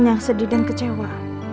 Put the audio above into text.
yang sedih dan kecewa